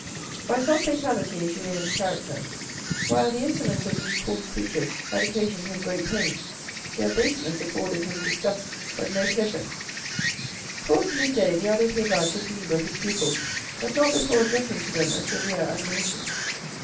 By some fatality in Julien's character, while the insolence of hese coarse creatures had occasioned him great pain, their baseness afforded him disgust, but no pleasure. 2i6 THE RED AND THE BLACK Towards mid day the abbe Pirard took leave of his pupils, but not before addressing to them a severe admonition.